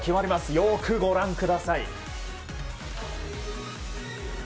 よくご覧ください。